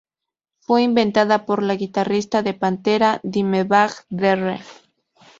Fue inventada por el guitarrista de Pantera, Dimebag Darrell.